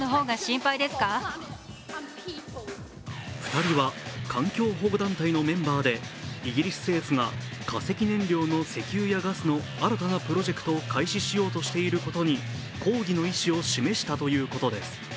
２人は環境保護団体のメンバーでイギリス政府が化石燃料の石油やガスの新たなプロジェクトを開始しようとしていることに抗議の意思を示したということです。